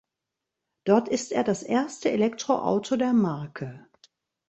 Dort ist er das erste Elektroauto der Marke.